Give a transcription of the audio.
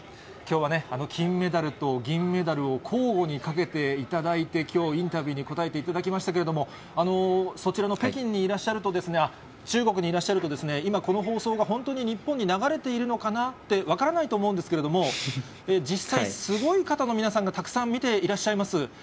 きょうはね、金メダルと銀メダルを交互にかけていただいて、きょう、インタビューに答えていただきましたけれども、そちらの北京にいらっしゃると、中国にいらっしゃると、今、この放送が本当に日本に流れているのかなって分からないと思うんですけれども、実際、すごい方の皆さんが、たくさん見ていらっしゃいます。